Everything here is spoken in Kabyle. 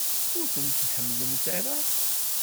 Ur ten-tḥemmlemt ara?